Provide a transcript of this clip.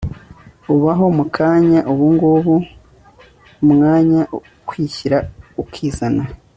ubahomukanya ubungubuumwanya kwishyira ukizana